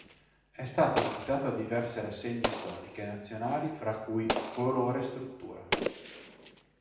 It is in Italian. È stato invitato a diverse rassegne storiche nazionali fra cui: "Colore-Struttura.